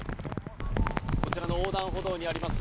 こちらの横断歩道にあります